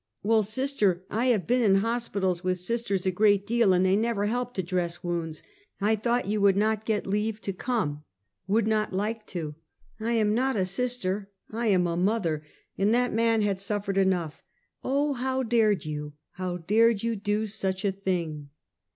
" Well, sister, I have been in hospitals with sisters a great deal, and they never help to dress wounds. I thought you would not get leave to come. Would not like to." " I am not a sister, I am a mother; and that man had suffered enough. Oh, how dared you? how dared you to do such a thing?" Find Work.